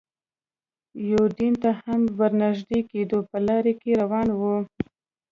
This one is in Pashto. یوډین ته هم ور نږدې کېدو، په لاره کې روان و.